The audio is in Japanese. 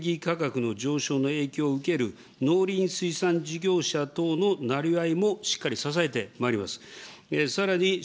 この対策によって、エネルギー価格の上昇の影響を受ける、農林水産事業者等のなりわいもしっかり支えてまいります。